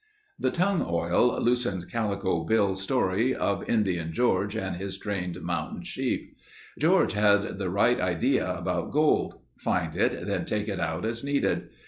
The tongue oil loosened Calico Bill's story of Indian George and his trained mountain sheep. "George had the right idea about gold. Find it, then take it out as needed.